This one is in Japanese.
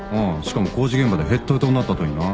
しかも工事現場でへっとへとになった後にな。